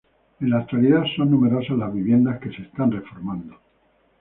En la actualidad son numerosas las viviendas que se están reformando.